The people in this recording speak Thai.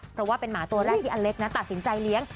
เพราะว่าเป็นหมาตัวแรกที่อเล็กนะตัดสินใจเลี้ยง